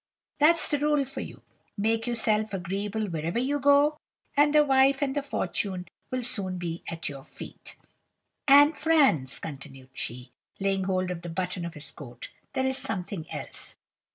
That's the rule for you! Make yourself agreeable wherever you go, and the wife and the fortune will soon be at your feet. And, Franz,' continued she, laying hold of the button of his coat, 'there is something else.